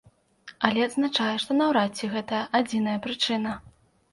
Але адзначае, што наўрад ці гэта адзіная прычына.